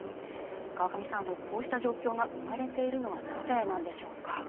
川上さん、こうした状況が生まれているのはなぜなんでしょうか？